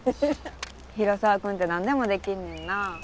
広沢君って何でもできんねんな